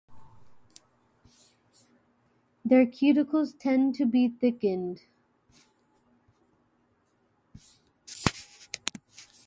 Their cuticles tend to be thickened.